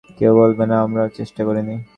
কেউই বলবে না আমরা চেষ্টা করিনি।